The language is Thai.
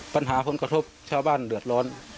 ปัญหาผลกระทบชาวบ้านเดือดร้อน